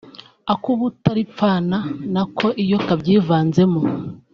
Ak’ubutaripfana na ko iyo kabyivanzemo